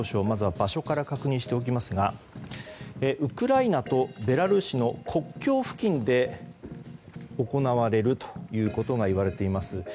まずは場所から確認しておきますがウクライナとベラルーシの国境付近で行われるということがいわれています。